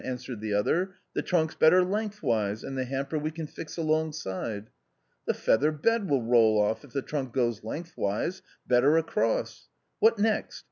answered the other, "the trunk's better lengthways, and the hamper we can fix alongside." " The feather bed will roll off, if the trunk goes lengthways; better across. What next